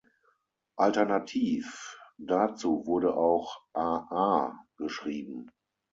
Alternativ dazu wurde auch "aa" geschrieben.